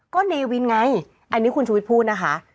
ก็เนวินไงอันนี้คุณชุวิตพูดนะคะ